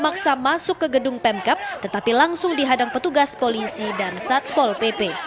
memaksa masuk ke gedung pemkap tetapi langsung dihadang petugas polisi dan satpol pp